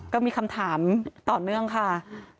ก็มีคำถามต่อเนื่องค่ะ